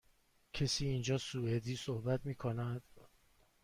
کسی اینجا سوئدی صحبت می کند؟